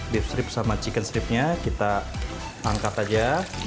beef strip sama chicken stripnya kita angkat aja